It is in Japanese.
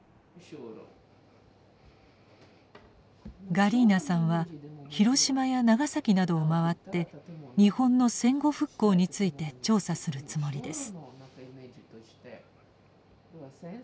ガリーナさんは広島や長崎などを回って日本の戦後復興について調査するつもりです。